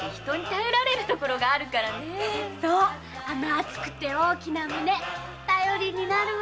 厚くて大きな胸頼りになるわ。